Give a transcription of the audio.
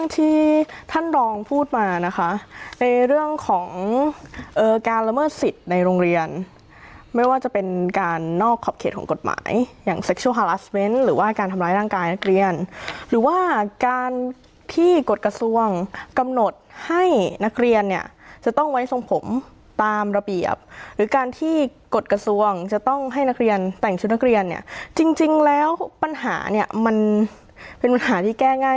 ที่ท่านรองพูดมานะคะในเรื่องของการละเมิดสิทธิ์ในโรงเรียนไม่ว่าจะเป็นการนอกขอบเขตของกฎหมายอย่างเซ็ลฮาลาสเวนต์หรือว่าการทำร้ายร่างกายนักเรียนหรือว่าการที่กฎกระทรวงกำหนดให้นักเรียนเนี่ยจะต้องไว้ทรงผมตามระเบียบหรือการที่กฎกระทรวงจะต้องให้นักเรียนแต่งชุดนักเรียนเนี่ยจริงแล้วปัญหาเนี่ยมันเป็นปัญหาที่แก้ง่าย